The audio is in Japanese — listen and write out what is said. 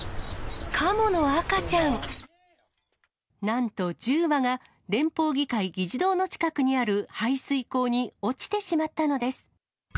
なんと１０羽が、連邦議会議事堂の近くにある排水溝に落ちてしまったのです。